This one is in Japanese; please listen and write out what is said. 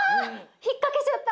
引っ掛けちゃった。